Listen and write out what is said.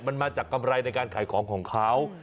มันมาจากกำไรในการขายของของเขา